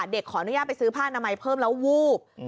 ขออนุญาตไปซื้อผ้านามัยเพิ่มแล้ววูบ